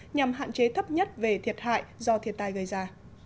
nhằm hạn chế thấp nhất về thiệt hại do thiệt tài gây ra